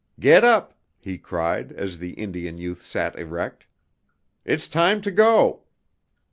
"Get up!" he cried, as the Indian youth sat erect. "It's time to go!"